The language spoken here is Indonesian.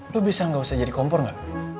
lo bisa gausah jadi kompor ga